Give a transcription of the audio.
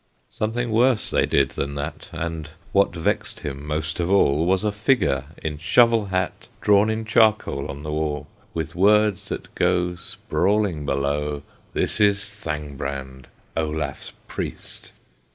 Something worse they did than that; And what vexed him most of all Was a figure in shovel hat, Drawn in charcoal on the wall; With words that go Sprawling below, "This is Thangbrand, Olaf's Priest."